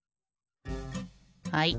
はい。